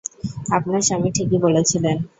আপনার স্বামী ঠিকই বলেছিলেন!